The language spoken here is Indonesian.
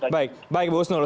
baik pak husnul